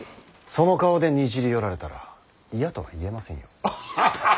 その顔でにじり寄られたら嫌とは言えませんよ。